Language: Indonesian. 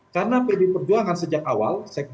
karena pd perjuangan sejak awal sekjennya pak jokowi